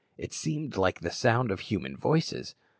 it seemed like the sound of human voices.